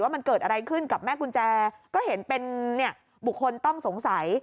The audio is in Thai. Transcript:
มันเกิดอะไรขึ้นกับแม่กุญแจก็เห็นเป็นบุคคลต้องสงสัย